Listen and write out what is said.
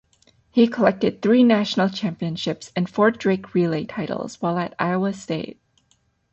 He collected three national championships and four Drake Relay titles while at Iowa State.